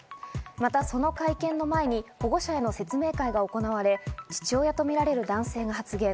また、その会見の前に保護者への説明会が行われ、父親とみられる男性が発言。